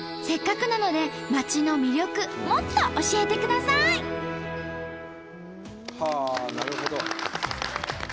せっかくなので町の魅力もっと教えてください！はあなるほど。